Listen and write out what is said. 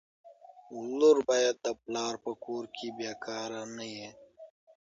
لور باید د پلار په کور کي بېکاره نه وي.